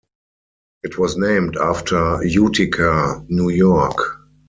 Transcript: It was named after Utica, New York.